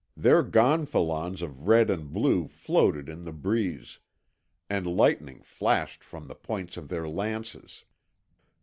"Their gonfalons of red and blue floated in the breeze, and lightning flashed from the points of their lances.